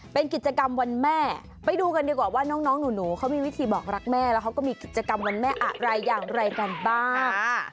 เป็นกิจกรรมวันแม่ไปดูกันดีกว่าว่าน้องหนูเขามีวิธีบอกรักแม่แล้วเขาก็มีกิจกรรมวันแม่อะไรอย่างไรกันบ้าง